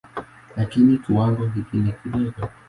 Lakini kiwango hiki ni kidogo.